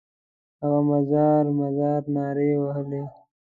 هغه مزار مزار نارې وهلې.